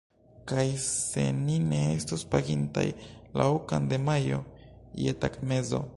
Kaj se ni ne estos pagintaj, la okan de majo, je tagmezo?